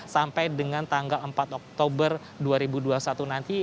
sampai dengan tanggal empat oktober dua ribu dua puluh satu nanti